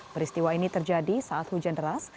peristiwa ini terjadi saat hujan deras